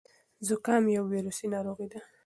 زکام یو ویروسي ناروغي ده.